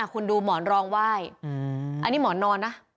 คุณดูหมอนรองไหว้อันนี้หมอนนอนนะ